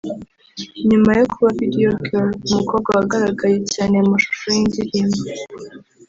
“Nyuma yo kuba Video girl(umukobwa wagaragaye cyane mu mashusho y’indirimbo)